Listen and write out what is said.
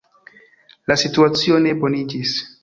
La situacio ne boniĝis.